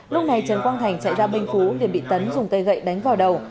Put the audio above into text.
lúc này trần quang thành chạy ra bên phú để bị tấn dùng cây gậy đánh vào đầu